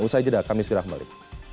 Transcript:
usai jeda kami segera kembali